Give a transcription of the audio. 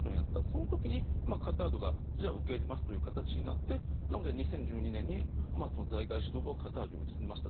その時にカタールが受け入れますという形になって２０１２年にハマスの在外指導部はカタールに移りました。